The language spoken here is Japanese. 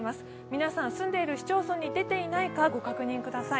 皆さん、住んでいる市町村に出ていないかご確認ください。